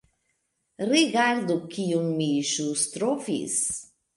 Rigardu kiun mi ĵus trovis